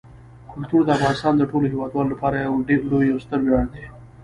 کلتور د افغانستان د ټولو هیوادوالو لپاره یو ډېر لوی او ستر ویاړ دی.